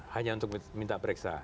hanya untuk minta periksa